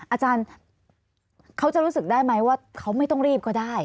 อาจารย์เขาจะรู้สึกได้ไหมว่าเขาไม่ต้องรีบก็ได้